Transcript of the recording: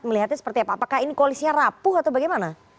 melihatnya seperti apa apakah ini koalisnya rapuh atau bagaimana